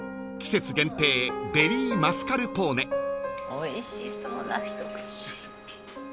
おいしそうな一口。